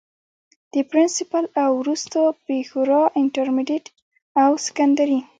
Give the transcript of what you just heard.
د پرنسپل او وروستو پيښورانټرميډيټ او سکنډري